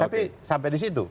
tapi sampai di situ